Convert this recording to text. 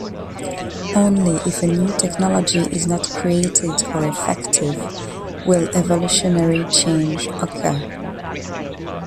Only if a new technology is not created or effective will evolutionary change occur.